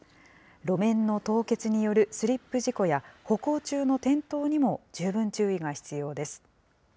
路面の凍結によるスリップ事故や、歩行中の転倒にも十分注意が必要です。